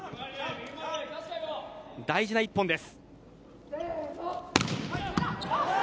大事な１本です。